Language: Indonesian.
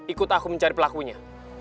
ikut aku mencari pelakunya